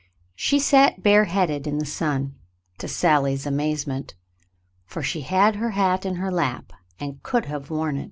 She sat bareheaded in the sun, to Sally's amazement, for she had her hat in her lap and could have worn it.